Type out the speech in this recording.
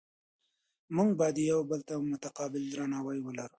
موږ باید یو بل ته متقابل درناوی ولرو